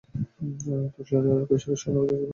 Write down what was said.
ত্শে-দ্বাং-ল্হুন-গ্রুব কৈশোরে সেনাবাহিনীতে যোগদান করেন।